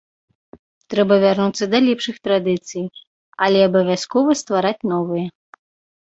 Трэба вярнуцца да лепшых традыцый, але абавязкова ствараць новыя.